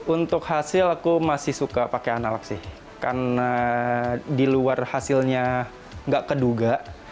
untuk hasil aku masih suka pakai analog sih karena di luar hasilnya nggak keduga